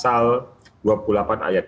saya tulis di dalam kata kata